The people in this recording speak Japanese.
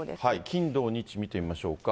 金、土、日見てみましょうか。